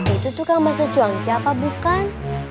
itu tukang bahasa cuangca apa bukan